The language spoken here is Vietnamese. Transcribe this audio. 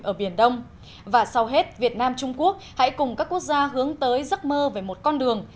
ở biển đông và sau hết việt nam trung quốc hãy cùng các quốc gia hướng tới giấc mơ về một con đường